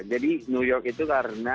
jadi new york itu karena